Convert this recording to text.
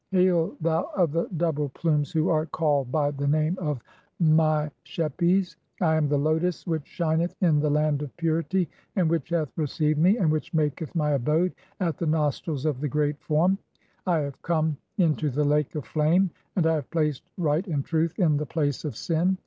"Hail, thou of the (11) double plumes who art called by the "name of Mi shepes, I am the lotus (12) which shineth in the "Land of Purity and which hath received me and which maketh "my abode at the nostrils of the Great Form, (i3) I have come "into the Lake of Flame, and I have placed right and truth in "the Place of Sin.